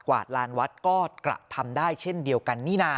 วาดลานวัดก็กระทำได้เช่นเดียวกันนี่นะ